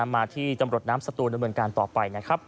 มาที่จำรถน้ำสตูนบริเวณกานต่อไปนะครับ